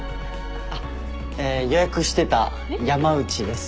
あっえ予約してた山内です。